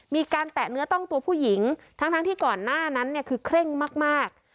แตะเนื้อต้องตัวผู้หญิงทั้งที่ก่อนหน้านั้นเนี่ยคือเคร่งมาก